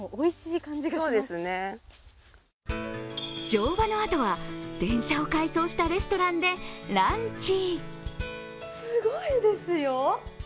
乗馬のあとは、電車を改装したレストランでランチ。